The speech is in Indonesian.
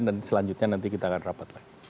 dan selanjutnya nanti kita akan rapat lagi